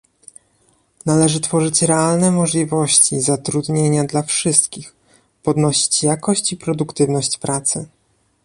Należy tworzyć realne możliwości zatrudnienia dla wszystkich, podnosić jakość i produktywność pracy